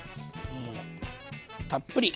たっぷり。